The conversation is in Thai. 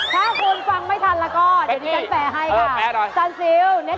ถ้าคุณฟังไม่ทันแล้วก็เดี๋ยวดิฉันแปลให้ค่ะ